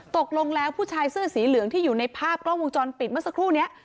ตกลงแล้วผู้ชายเสื้อสีเหลืองที่อยู่ในภาพกล้องวงจรปิดเมื่อสักครู่นี้